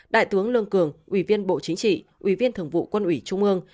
đại tướng lương cường ủy viên bộ chính trị ủy viên thường vụ quân ủy trung ương